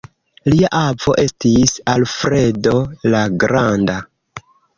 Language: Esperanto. Lia avo estis Alfredo la granda.